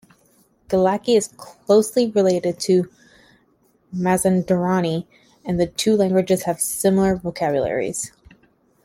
Gilaki is closely related to Mazandarani and the two languages have similar vocabularies.